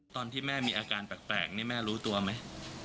ตอนที่แม่มีอาการแปลกนี่แม่รู้ตัวไหม